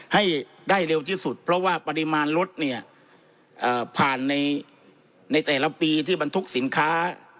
ให้ได้เร็วที่สุดเพราะว่าปริมาณรถเนี่ยผ่านในแต่ละปีที่บรรทุกสินค้า